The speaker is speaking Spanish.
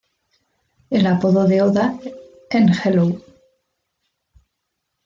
El apodo de Oda en Hello!